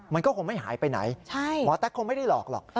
มันก็คงไม่หายไปไหนหมอแต๊กคงไม่ได้หลอกหรอก